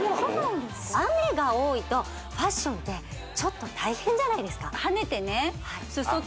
雨が多いとファッションってちょっと大変じゃないですか？